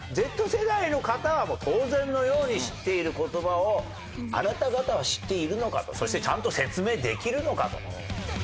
Ｚ世代の方はもう当然のように知っている言葉をあなた方は知っているのかとそしてちゃんと説明できるのかと。